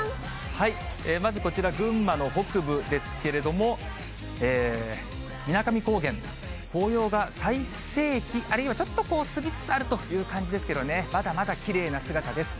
まずこちら、群馬の北部ですけれども、みなかみ高原、紅葉が最盛期、あるいはちょっと過ぎつつあるという感じですけどね、まだまだきれいな姿です。